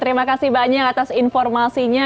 terima kasih banyak atas informasinya